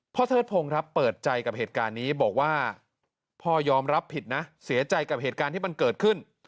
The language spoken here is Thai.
เทิดพงศ์ครับเปิดใจกับเหตุการณ์นี้บอกว่าพ่อยอมรับผิดนะเสียใจกับเหตุการณ์ที่มันเกิดขึ้น